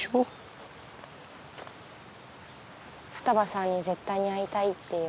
二葉さんに絶対に会いたいっていう。